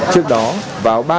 trước đó vào ba mươi năm